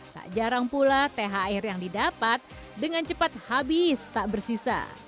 tak jarang pula thr yang didapat dengan cepat habis tak bersisa